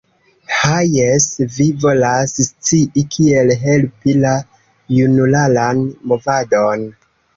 Ha, jes, vi volas scii kiel helpi la junularan movadon.